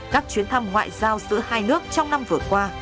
các chuyến thăm ngoại giao giữa hai nước trong năm vừa qua